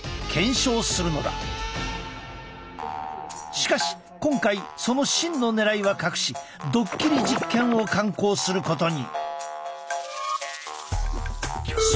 しかし今回その真のねらいは隠しドッキリ実験を敢行することに！